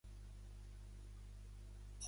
Vull anar a la Torre de l'Espanyol amb moto.